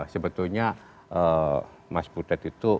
sebetulnya mas budet itu